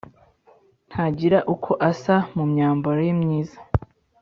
ntagira uko asa mu myambaro ye myiza,